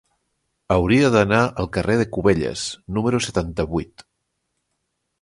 Hauria d'anar al carrer de Cubelles número setanta-vuit.